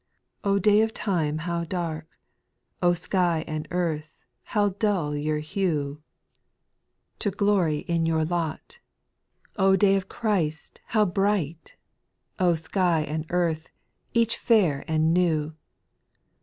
O day of time, how dark ! O sky and eaith, How dull your hue ! 260 SPIRITUAL SONGS, O day of Christ, how bright I O sky and earth, Each fair and new